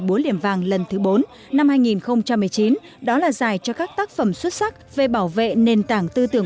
bố liềm vàng lần thứ bốn năm hai nghìn một mươi chín đó là giải cho các tác phẩm xuất sắc về bảo vệ nền tảng tư tưởng